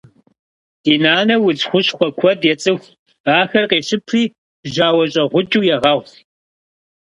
Ди нанэ удз хущхъуэ куэд ецӏыху. Ахэр къещыпри жьауэщӏэгъукӏыу егъэгъу.